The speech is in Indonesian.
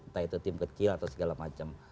entah itu tim kecil atau segala macam